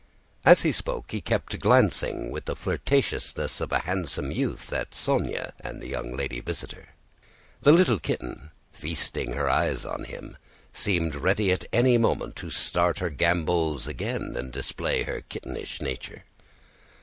As he spoke he kept glancing with the flirtatiousness of a handsome youth at Sónya and the young lady visitor. The little kitten, feasting her eyes on him, seemed ready at any moment to start her gambols again and display her kittenish nature.